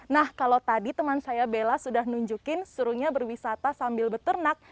nah kalau tadi teman saya bella sudah nunjukin serunya berwisata sambil beternak